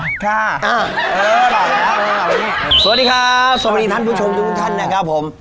สวัสดีครับสวัสดีท่านผู้ชมทุกท่านนะครับผม